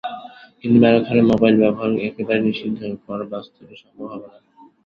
কিন্তু ম্যারাথনে মোবাইল ব্যবহার একেবারেই নিষিদ্ধ করা বাস্তবে সম্ভব হবে না।